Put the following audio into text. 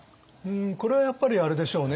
これはやっぱりあれでしょうね